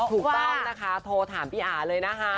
ถูกต้องนะคะโทรถามพี่อาเลยนะคะ